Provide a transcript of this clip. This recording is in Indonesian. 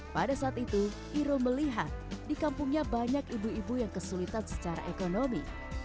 pada saat itu iro melihat di kampungnya banyak ibu ibu yang kesulitan secara ekonomi